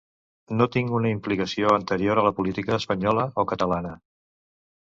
No tinc una implicació anterior a la política espanyola o catalana.